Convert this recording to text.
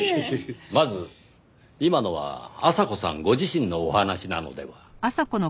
まず今のは阿佐子さんご自身のお話なのでは？